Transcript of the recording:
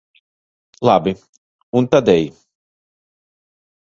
Labi, un tad ej.